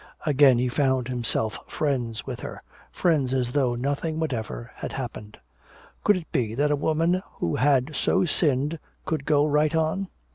Again he found himself friends with her friends as though nothing whatever had happened! Could it be that a woman who had so sinned could go right on?